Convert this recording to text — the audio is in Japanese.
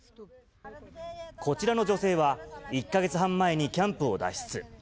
こちらの女性は、１か月半前にキャンプを脱出。